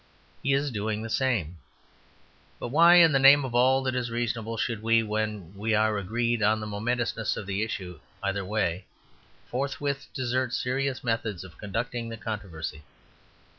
He is doing the same. But why, in the name of all that is reasonable, should we, when we are agreed on the momentousness of the issue either way, forthwith desert serious methods of conducting the controversy?